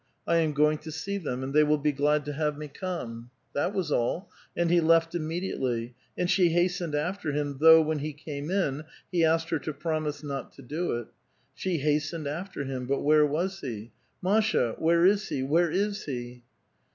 I am going to see them, and they will be glad to have me come." That was all, and he left immediately ; and she hastened after him, though, when he came in, he asked her to promise not to do it. She hastened after him ; but where was he ?" Masha, where is he? where is he?"